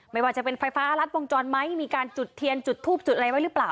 ไม่ว่าจะเป็นไฟฟ้ารัดวงจรไหมมีการจุดเทียนจุดทูบจุดอะไรไว้หรือเปล่า